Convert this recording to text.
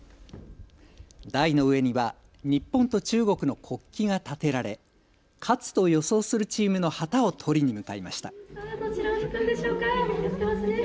台の上には日本と中国の国旗が立てられ勝つと予想するチームの旗を取りに向かいました。